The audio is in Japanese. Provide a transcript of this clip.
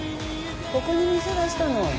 ここに店出したの？